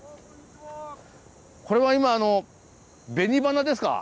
これは今紅花ですか？